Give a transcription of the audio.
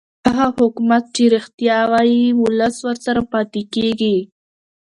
هغه حکومت چې رښتیا وايي ولس ورسره پاتې کېږي